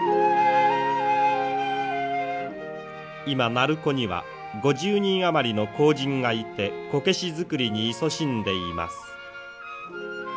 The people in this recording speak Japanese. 今鳴子には５０人余りの工人がいてこけし作りにいそしんでいます。